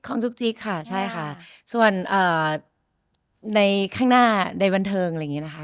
จุ๊กจิ๊กค่ะใช่ค่ะส่วนในข้างหน้าในบันเทิงอะไรอย่างนี้นะคะ